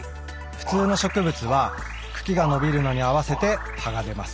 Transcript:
普通の植物は茎が伸びるのに合わせて葉が出ます。